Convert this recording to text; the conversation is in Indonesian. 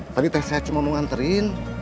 tadi teh saya cuma mau nganterin